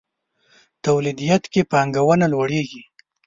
توليديت کې پانګونه لوړېږي.